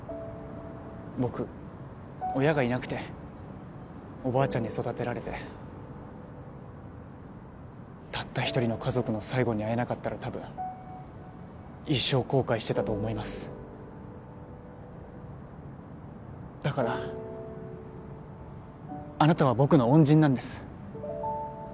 僕親がいなくておばあちゃんに育てられてたった１人の家族の最期に会えなかったら多分一生後悔してたと思いますだからあなたは僕の恩人なんです